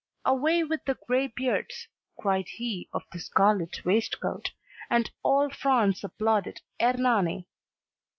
"Away with the gray beards," cried he of the scarlet waistcoat, and all France applauded "Ernani."